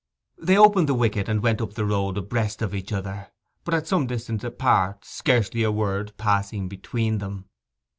They opened the wicket and went up the road abreast of each other, but at some distance apart, scarcely a word passing between them.